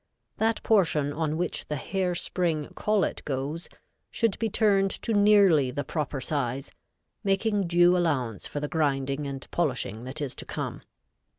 That portion on which the hair spring collet goes should be turned to nearly the proper size, making due allowance for the grinding and polishing that is to come.